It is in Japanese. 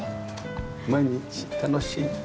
毎日楽しい？